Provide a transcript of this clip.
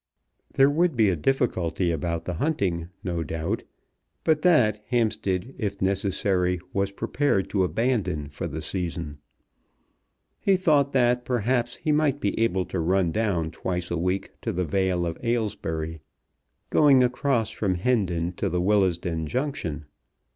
There would be a difficulty about the hunting, no doubt, but that Hampstead if necessary was prepared to abandon for the season. He thought that perhaps he might be able to run down twice a week to the Vale of Aylesbury, going across from Hendon to the Willesden Junction.